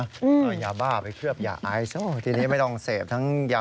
ยาบ้าไปเคลือบยาไอซ์ทีนี้ไม่ต้องเสพทั้งยา